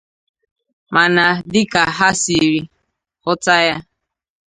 mana dịka ha siri hụta ya